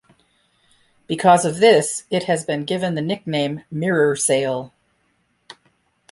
Because of this, it has been given the nickname "Mirror Sail".